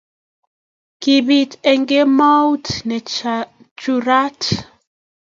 kibiit eng kemout ne churat